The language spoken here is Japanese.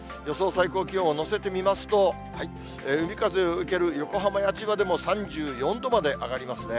最高気温を乗せてみますと、海風を受ける横浜や千葉でも、３４度まで上がりますね。